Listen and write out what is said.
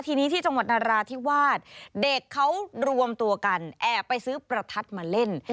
ทีนี้ที่จังหวัดนราธิวาสเด็กเขารวมตัวกันแอบไปซื้อประทัดมาเล่น